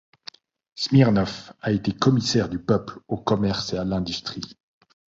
Smirnov a été commissaire du peuple au commerce et à l’industrie.